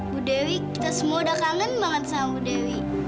bu dewi kita semua udah kangen banget sama bu dewi